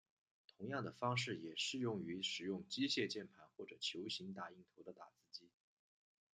同样的方式也适用于使用机械键盘或者球形打印头的打字机。